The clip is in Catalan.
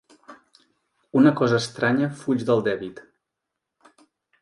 Una cosa estranya fuig del dèbit.